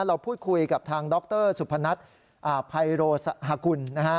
เราพูดคุยกับทางดรสุภนัทไพโรศาคุณ